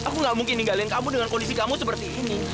aku gak mungkin ninggalin kamu dengan kondisi kamu seperti ini